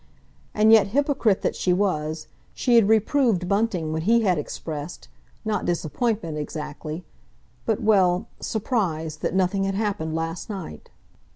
And yet hypocrite that she was, she had reproved Bunting when he had expressed, not disappointment exactly—but, well, surprise, that nothing had happened last night.